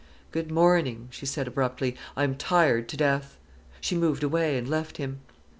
"Good morning," she said abruptly; "I'm tired to death." She moved away, and left him.